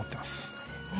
そうですね。